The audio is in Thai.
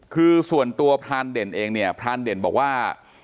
คือส่วนตัวพรานเด่นเองเนี่ยพรานเด่นบอกว่า